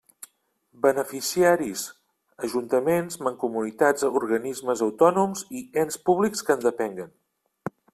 Beneficiaris: ajuntaments, mancomunitats organismes autònoms i ens públics que en depenguen.